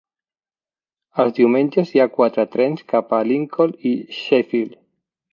Els diumenges hi ha quatre trens cap a Lincoln i Sheffield.